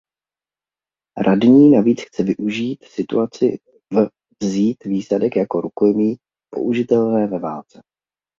Radní navíc chce využít situace v vzít výsadek jako rukojmí použitelné ve válce.